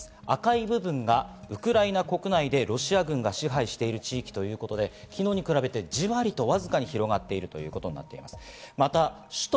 赤い部分がウクライナ国内でロシア軍が支配している地域ということで、昨日に比べてじわりとわずかに広がっているということになっています。